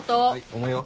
重いよ。